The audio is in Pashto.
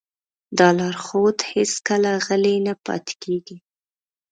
دا لارښود هېڅکله غلی نه پاتې کېږي.